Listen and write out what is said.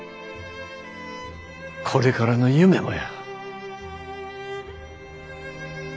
これからの夢もや。